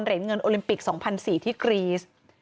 เงินโอลิมปิก๒๐๐๔ที่กรีส